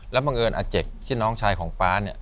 แล้วบังเอิญอาเจกที่น้องชายของป๊าเนี่ย